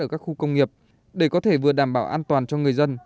ở các khu công nghiệp để có thể vừa đảm bảo an toàn cho người dân